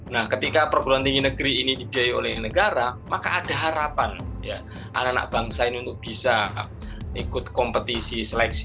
nah ketika perguruan tinggi negeri ini dibiayai oleh negara maka ada harapan anak anak bangsa ini untuk bisa ikut kompetisi seleksi